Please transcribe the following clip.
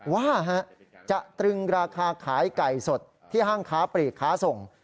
ว่าจะตรึงราคาขายไก่สดที่ห้างค้าปลีกค้าส่ง